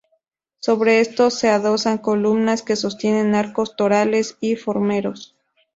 Sobre estos se adosan columnas que sostienen arcos torales y formeros.